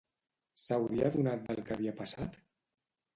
S'hauria adonat del que havia passat?